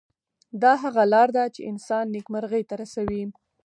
دا هغه لار ده چې انسان نیکمرغۍ ته رسوي.